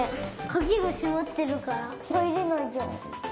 かぎがしまってるからはいれないじゃん。